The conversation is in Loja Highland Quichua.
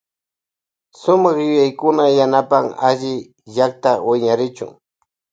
Sumak yuyaykuna yanapan aylly llakta wiñarichu.